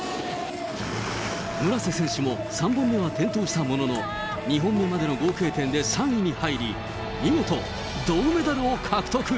村瀬選手も３本目は転倒したものの、２本目までの合計点で３位に入り、見事、銅メダルを獲得。